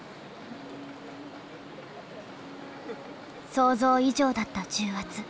想像以上だった重圧。